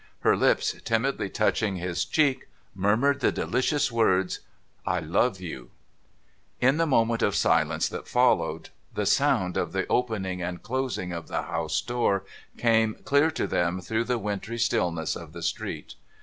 Her lips, timidly touching his cheek, murmured the delicious words —' I love you !' In the moment of silence that followed, the sound of the opening and closing of the house door came clear to them through the wintry stillness of the street.